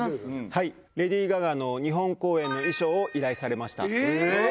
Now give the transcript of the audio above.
はいレディー・ガガの日本公演の衣装を依頼されましたえっ